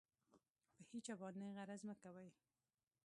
په هېچا باندې غرض مه کوئ.